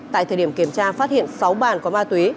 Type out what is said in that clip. tại thời điểm kiểm tra phát hiện sáu bàn có ma túy